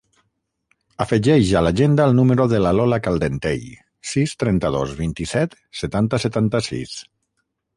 Afegeix a l'agenda el número de la Lola Caldentey: sis, trenta-dos, vint-i-set, setanta, setanta-sis.